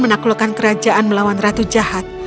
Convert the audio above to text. menaklukkan kerajaan melawan ratu jahat